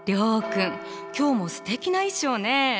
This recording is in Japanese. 諒君今日もすてきな衣装ね！